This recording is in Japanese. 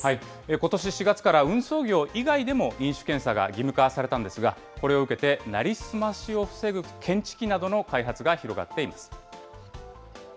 ことし４月から運送業以外でも、飲酒検査が義務化されたんですが、これを受けて、成り済ましを防ぐ検知器などの開発が広がっています。